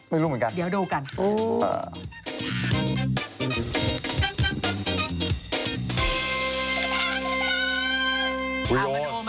ไม่รู้เหมือนกันอู๋เดี๋ยวดูกันเดี๋ยวดูกัน